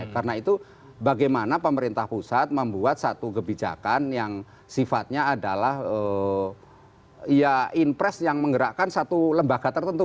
karena itu bagaimana pemerintah pusat membuat satu kebijakan yang sifatnya adalah ya in press yang menggerakkan satu lembaga tertentu